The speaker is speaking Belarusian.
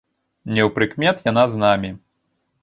Неўпрыкмет яна з намі.